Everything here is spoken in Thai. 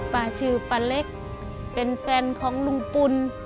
ป้าชื่อป้าเล็กเป็นแฟนของลุงปุ่น